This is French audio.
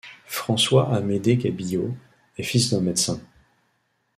François-Amédée Gabillot est fils d'un médecin.